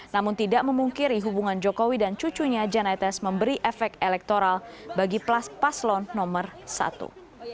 namun tidak memungkiri hubungan jokowi dan cucunya jan etes memberi efek elektoral bagi paslon nomor satu